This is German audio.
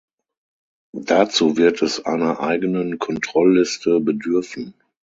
Dazu wird es einer eigenen Kontrollliste bedürfen.